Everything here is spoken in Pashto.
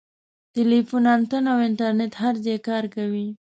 ټیلیفون انتن او انټرنیټ هر ځای کار کوي.